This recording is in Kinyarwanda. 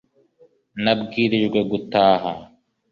nabwirijwe gutaha